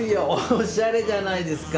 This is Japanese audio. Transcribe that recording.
おしゃれじゃないですか。